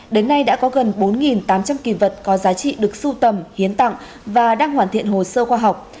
đến nay đã có gần bốn tám trăm linh kỳ vật có giá trị được sưu tầm hiến tặng và đang hoàn thiện hồ sơ khoa học